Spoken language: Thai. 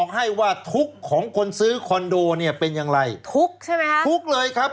ให้ว่าทุกข์ของคนซื้อคอนโดเนี่ยเป็นอย่างไรทุกข์ใช่ไหมคะทุกข์เลยครับ